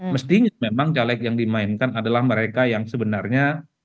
mestinya memang caleg yang dimainkan adalah mereka yang sebenarnya